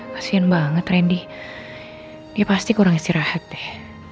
kasian banget randy dia pasti kurang istirahat deh